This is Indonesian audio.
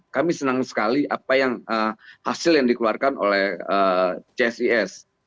kami senang sekali apa yang hasil yang dikeluarkan oleh csis